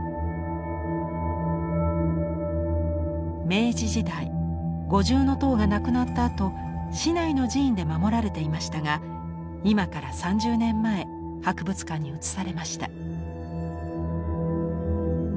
明治時代五重塔がなくなったあと市内の寺院で守られていましたが今から３０年前博物館に移されました。